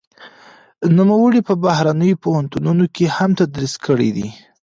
نوموړي په بهرنيو پوهنتونونو کې هم تدريس کړی دی.